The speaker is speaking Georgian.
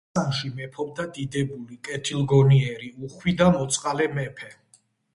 ხორასანში მეფობდა დიდებული, კეთილგონიერი, უხვი და მოწყალე მეფე.